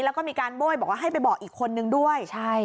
แล้วก็มีการโบ้ยบอกว่าให้ไปบอกอีกคนนึงด้วย